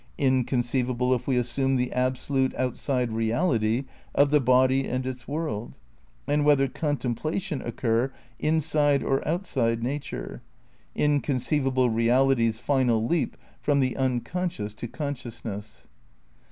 Inconceivable if we assume the absolute, outside reaUty of the body and its world. And whether "contempla tion" occur inside or outside nature — inconceivable n THE CRITICAL PREPARATIONS 47 reality's final leap from the unconscious to conscious ness.